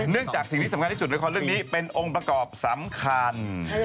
จากสิ่งที่สำคัญที่สุดละครเรื่องนี้เป็นองค์ประกอบสำคัญ